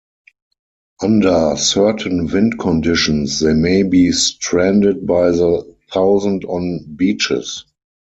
Under certain wind conditions, they may be stranded by the thousand on beaches.